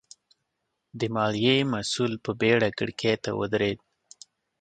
د ماليې مسوول په بېړه کړکۍ ته ودرېد.